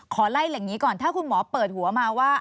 ไล่อย่างนี้ก่อนถ้าคุณหมอเปิดหัวมาว่า